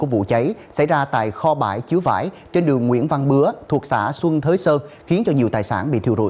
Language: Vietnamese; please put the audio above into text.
vụ cháy xảy ra tại kho bãi chứa vải trên đường nguyễn văn bứa thuộc xã xuân thới sơn khiến cho nhiều tài sản bị thiêu rụi